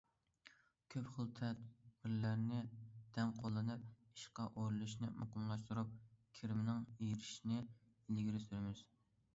كۆپ خىل تەدبىرلەرنى تەڭ قوللىنىپ، ئىشقا ئورۇنلىشىشنى مۇقىملاشتۇرۇپ، كىرىمنىڭ ئېشىشىنى ئىلگىرى سۈرىمىز.